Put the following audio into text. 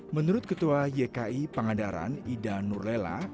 menurut ketua yki pangandaran ida nurlela